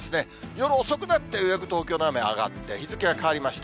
夜遅くなって、ようやく東京の雨上がって、日付が変わりました。